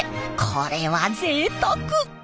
これはぜいたく。